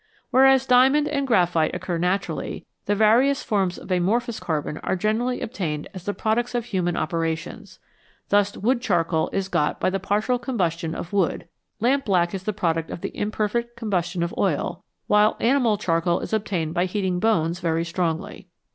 Whereas diamond and graphite occur naturally, the various forms of amorphous carbon are generally ob tained as the products of human operations. Thus wood charcoal is got by the partial combustion of wood, lamp black is the product of the imperfect combustion of oil, while animal charcoal is obtained by heating bones very strongly.